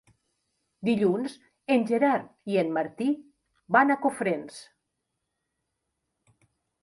Dilluns en Gerard i en Martí van a Cofrents.